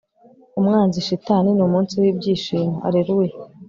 umwanzi shitani, ni umunsi w'ibyishimo, alleluya